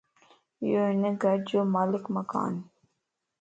يو ھن گھر جو مالڪ مڪان